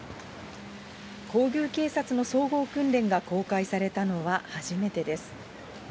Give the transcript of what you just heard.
皇宮警察の総合訓練が公開されたのは初めてです。